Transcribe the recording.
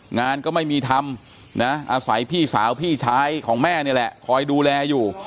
งานก็ไม่มีทำนะอาศัยพี่สาวพี่ชายของแม่นี่แหละคอยดูแลอยู่